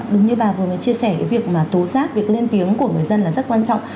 đúng như bà vừa mới chia sẻ cái việc mà tố giác việc lên tiếng của người dân là rất quan trọng